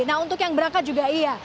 nah untuk yang berangkat juga iya